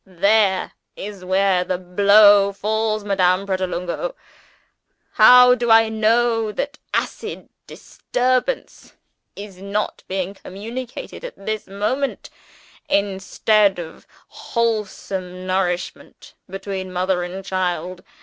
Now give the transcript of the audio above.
There is where the Blow falls, Madame Pratolungo! How do I know that acid disturbance is not being communicated at this moment, instead of wholesome nourishment, between mother and child?